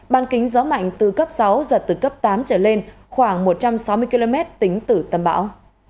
ban kính gió mạnh từ cấp sáu giật từ cấp tám trở lên khoảng một trăm sáu mươi km tính từ tâm bão